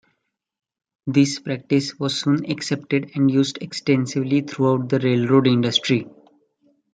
This practice was soon accepted and used extensively throughout the railroad industry.